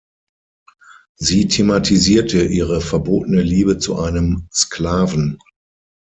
Sie thematisierte ihre verbotene Liebe zu einem Sklaven.